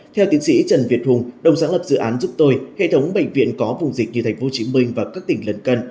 theo tiến sĩ trần việt hùng đồng sáng lập dự án giúp tôi hệ thống bệnh viện có vùng dịch như tp hcm và các tỉnh lân cận